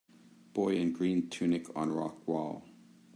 Boy in green tunic on rock wall.